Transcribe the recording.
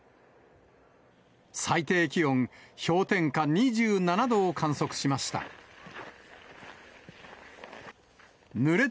最低気温氷点下２７度を観測しました。